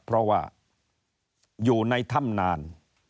เพราะว่าอยู่ในถ้ำนาน